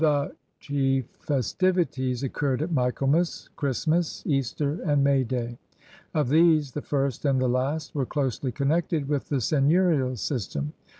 The chief festivities occurred at Michaelmas, Christmas, Easter, and May Day. Of these, the first and the last were closely connected with the seigneurial system.